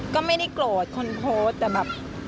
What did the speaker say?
ก็ไม่ได้โกรธคนโพสต์แต่แบบ